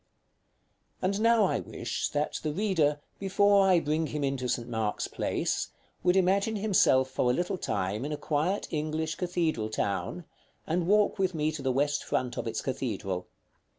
§ X. And now I wish that the reader, before I bring him into St. Mark's Place, would imagine himself for a little time in a quiet English cathedral town, and walk with me to the west front of its cathedral.